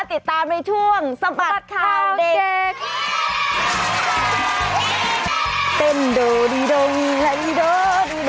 ติดตามในช่วงสะบัดข่าวเด็ก